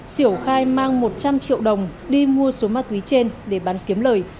siểu khai mang một trăm linh triệu đồng đi mua số ma túy trên để bán kiếm lời